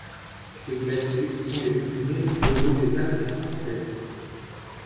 Ces glaciers sont les plus méridionaux des Alpes françaises.